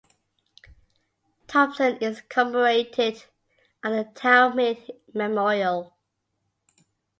Thomson is commemorated on the Tower Hill Memorial.